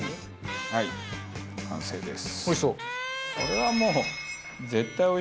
はい！